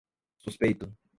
suspeito